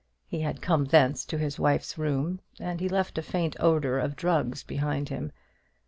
He had come thence to his wife's room, and he left a faint odour of drugs behind him.